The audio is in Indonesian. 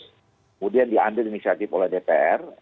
kemudian diambil inisiatif oleh dpr